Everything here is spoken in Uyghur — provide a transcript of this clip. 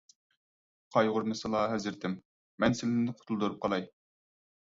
قايغۇرمىسىلا، ھەزرىتىم، مەن سىلىنى قۇتۇلدۇرۇپ قالاي.